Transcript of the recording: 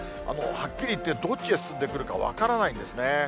はっきり言って、どっちへ進んでくるか分からないんですね。